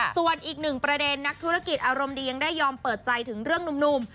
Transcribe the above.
ส่วนอีกหนึ่งประเด็นนักธุรกิจอารมณ์ดียังได้ยอมเปิดใจถึงเรื่องหนุ่ม